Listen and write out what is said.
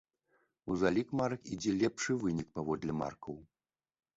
У залік марак ідзе лепшы вынік паводле маркаў.